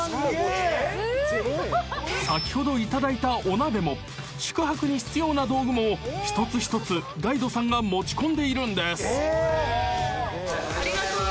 ［先ほどいただいたお鍋も宿泊に必要な道具も一つ一つガイドさんが持ち込んでいるんです］